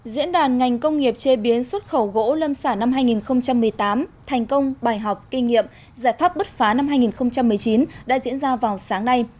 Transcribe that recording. diễn đàn ngành công nghiệp chế biến xuất khẩu gỗ lâm sản năm hai nghìn một mươi tám thành công bài học kinh nghiệm giải pháp bứt phá năm hai nghìn một mươi chín đã diễn ra vào sáng nay